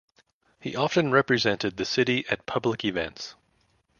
He often represented the city at public events.